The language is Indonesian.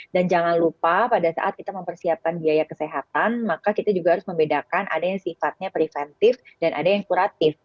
dan jangan lupa pada saat kita mempersiapkan biaya kesehatan maka kita juga harus membedakan ada yang sifatnya preventif dan ada yang kuratif